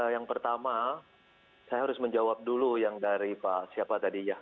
yang pertama saya harus menjawab dulu yang dari pak siapa tadi ya